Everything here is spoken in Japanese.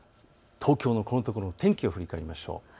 東京のこのところの天気を振り返りましょう。